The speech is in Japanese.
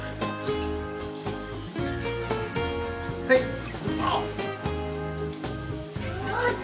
はい。